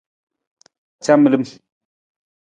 Camilim.